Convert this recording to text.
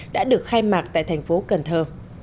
đã được khai mạc tại thành phố cần thơ